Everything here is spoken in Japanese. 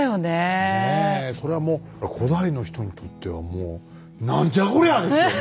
それはもう古代の人にとってはもう「何じゃこりゃ！」ですよね。